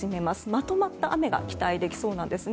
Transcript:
まとまった雨が期待できそうです。